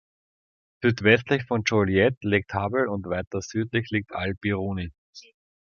Südwestlich von Joliet liegt Hubble und weiter südlich liegt Al-Biruni.